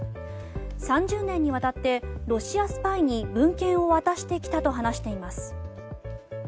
３０年にわたってロシアスパイに文献を渡してきたと話しています。